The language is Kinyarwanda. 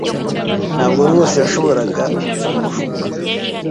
Ntabwo rwose yashoboraga kumushuka